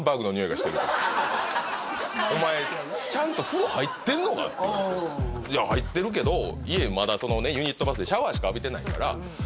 「お前ちゃんと風呂入ってんのか？」って言われて「入ってるけど家まだユニットバスでシャワーしか浴びてないから」